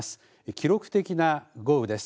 記録的な豪雨です。